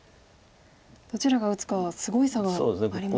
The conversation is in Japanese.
どちらが打つかはすごい差がありますか。